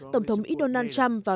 tổng thống mỹ donald trump và